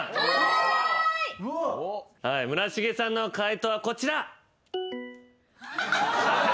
村重さんの解答はこちら。